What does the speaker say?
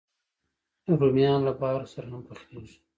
رومیان له بارو سره هم پخېږي